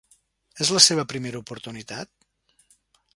És la seva primera oportunitat?